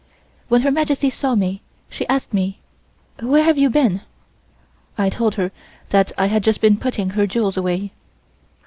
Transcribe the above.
When Her Majesty saw me, she asked me: "Where have you been?" I told her that I had just been putting her jewels away.